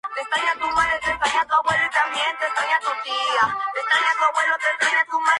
El hotel tiene su propio club nocturno llamado el Copacabana.